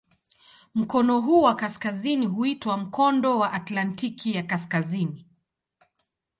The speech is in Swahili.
Mkono huu wa kaskazini huitwa "Mkondo wa Atlantiki ya Kaskazini".